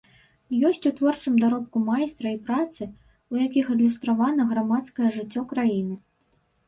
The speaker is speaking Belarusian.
Ёсць у творчым даробку майстра і працы, у якіх адлюстравана грамадскае жыццё краіны.